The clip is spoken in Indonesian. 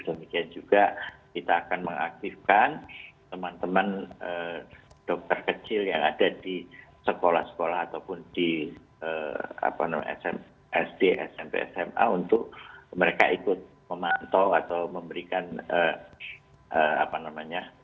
demikian juga kita akan mengaktifkan teman teman dokter kecil yang ada di sekolah sekolah ataupun di sd smp sma untuk mereka ikut memantau atau memberikan apa namanya